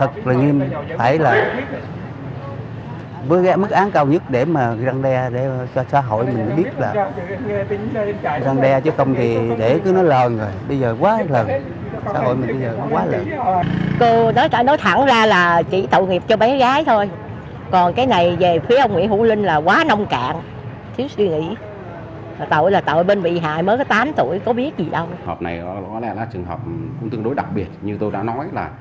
trường hợp này có lẽ là trường hợp cũng tương đối đặc biệt như tôi đã nói là